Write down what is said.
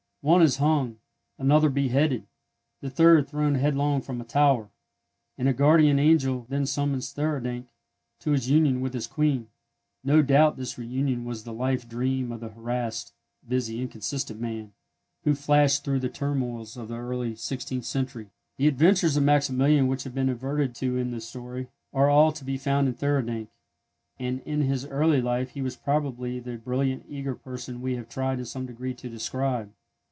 One is hung, another beheaded, the third thrown headlong from a tower, and a guardian angel then summons Theurdank to his union with his Queen. No doubt this reunion was the life dream of the harassed, busy, inconsistent man, who flashed through the turmoils of the early sixteenth century. The adventures of Maximilian which have been adverted to in the story are all to be found in Theurdank, and in his early life he was probably the brilliant eager person we have tried in some degree to describe.